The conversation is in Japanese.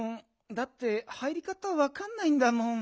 だって入りかたわかんないんだもん。